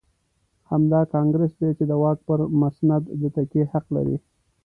همدا کانګرېس دی چې د واک پر مسند د تکیې حق لري.